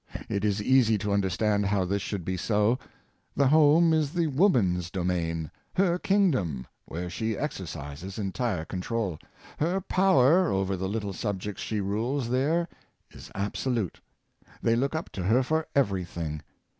It is easy to understand how this should be so. The home is the woman's domain — her kingdom, where she exercises entire control. Her power over the little subjects she rules there is absolute. They look up to her for every thing.